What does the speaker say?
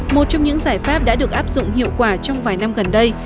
một trong những giải pháp đã được áp dụng hiệu quả trong vài năm gần đây